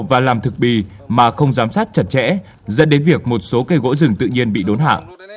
và quan sát chặt chẽ dẫn đến việc một số cây gỗ rừng tự nhiên bị đốn hạ